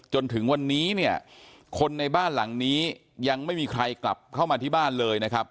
จนถึงวันนี้เนี่ยคนในบ้านหลังนี้ยังไม่มีใครกลับเข้ามาที่บ้านเลยนะครับ